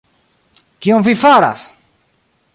kion vi faras!